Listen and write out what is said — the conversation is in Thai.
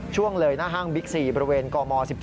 ช่วงเลยหน้าห้างบิ๊กซีบริเวณกม๑๔